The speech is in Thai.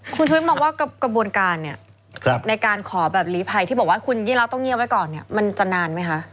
คุณชุมบอกว่ากระบวนการในการขอหลีภัยที่บอกว่าคุณยิ่งรักต้องเงียบไว้ก่อนมันจะนานไหมฮะ